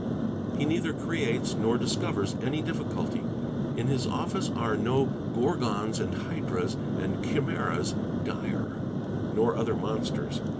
He neither creates nor discovers any difficulty; in his office are no ' Gorgons and hydras and chimaeras dire,' nor other monsters.